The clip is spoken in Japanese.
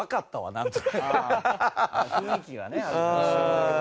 雰囲気はねありましたけど。